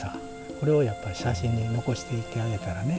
これをやっぱり写真に残していきながらね。